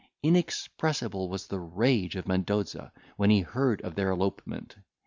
Inexpressible was the rage of Mendoza, when he heard of their elopement.